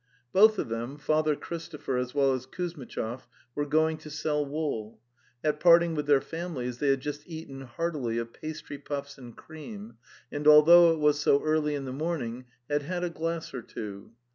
Both of them, Father Christopher as well as Kuzmitchov, were going to sell wool. At part ing with their families they had just eaten heartily of pastry puffs and cream, and although it was so early in the morning had had a glass or two...